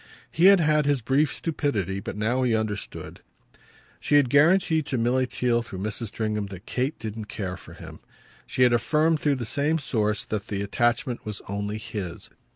He had had his brief stupidity, but now he understood. She had guaranteed to Milly Theale through Mrs. Stringham that Kate didn't care for him. She had affirmed through the same source that the attachment was only his.